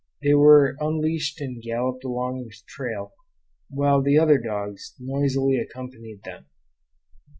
They were unleashed and galloped along the trail, while the other dogs noisily accompanied them.